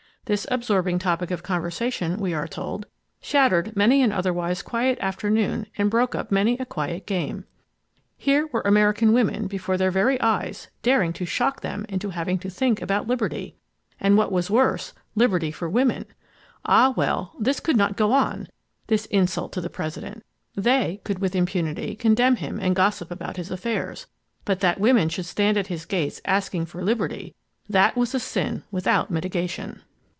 This absorbing topic of conversation, we are told, shattered many an otherwise quiet afternoon and broke up many a quiet game. Here were American women before their very eyes daring to shock them into having to think about liberty. And what was worse—liberty for women. Ah well, this could not go on,—this insult to the President. They could with impunity condemn him and gossip about his affairs. But that women should stand at his gates asking for liberty—that was a sin without mitigation.